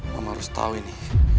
mama harus tahu ini